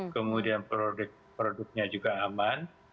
kemudian produknya juga aman